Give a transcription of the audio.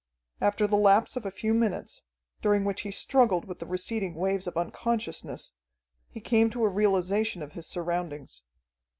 After the lapse of a few minutes, during which he struggled with the receding waves of unconsciousness, he came to a realization of his surroundings.